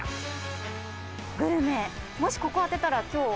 グルメもしここ当てたら今日。